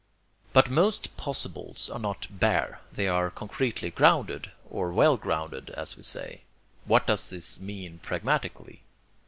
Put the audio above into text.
But most possibles are not bare, they are concretely grounded, or well grounded, as we say. What does this mean pragmatically?